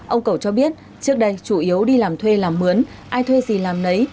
ông cẩu cho biết trước đây chủ yếu đi làm thuê làm mướn ai thuê gì làm lấy